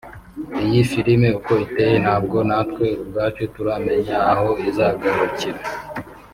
Iyi film uko iteye ntabwo natwe ubwacu turamenya aho izagarukira